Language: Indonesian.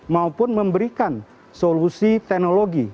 maupun memberikan solusi teknologi